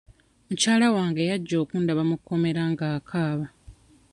Mukyala wange yajja okundaba mu kkomera ng'akaaba.